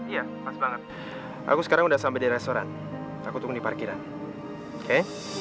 iya pas banget aku sekarang udah sampe di restoran aku tunggu di parkiran oke